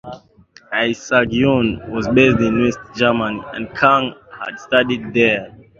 Isang Yun was based in West Germany and Kang had studied there.